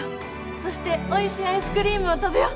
そしておいしいアイスクリームを食べよう。